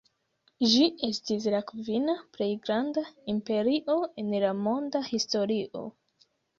Ĝi estis la kvina plej granda imperio en la monda historio.